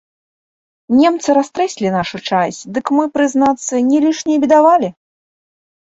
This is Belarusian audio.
Немцы растрэслі нашу часць, дык мы, прызнацца, не лішне і бедавалі.